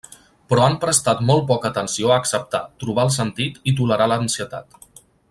Però han prestat molt poca atenció a acceptar, trobar el sentit i tolerar l'ansietat.